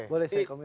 boleh saya komentar